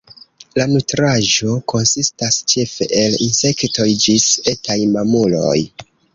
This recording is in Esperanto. La nutraĵo konsistas ĉefe el insektoj ĝis etaj mamuloj.